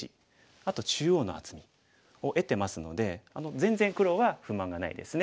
あと中央の厚みを得てますので全然黒は不満がないですね。